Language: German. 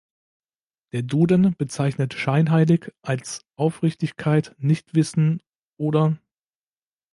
Der Duden bezeichnet "scheinheilig" als „Aufrichtigkeit, Nichtwissen od.